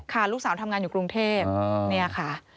ลูกสาวทำงานอยู่กรุงเทพเนี่ยค่ะ